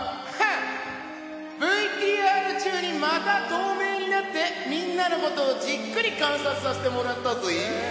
ＶＴＲ中にまた透明になってみんなのことをじっくり観察させてもらったぜ！